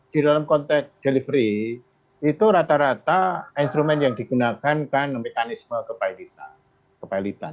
di dalam konteks delivery itu rata rata instrumen yang digunakan kan mekanisme kepalitan